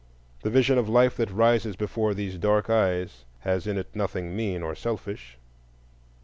The vision of life that rises before these dark eyes has in it nothing mean or selfish.